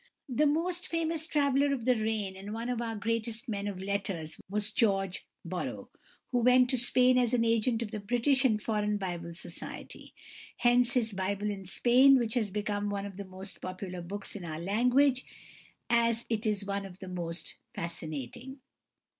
The most famous traveller of the reign and one of our greatest men of letters was =George Borrow (1803 1881)=, who went to Spain as an agent of the British and Foreign Bible Society. Hence his "Bible in Spain," which has become one of the most popular books in our language as it is one of the most fascinating.